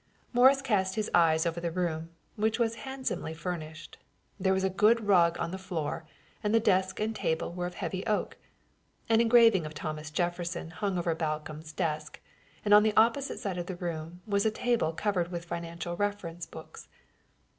Morris cast his eyes over the room, which was handsomely furnished. There was a good rug on the floor and the desk and table were of heavy oak; an engraving of Thomas Jefferson hung over Balcomb's desk, and on the opposite side of the room was a table covered with financial reference books.